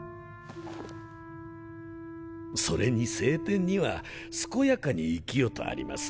それに聖典には健やかに生きよとあります。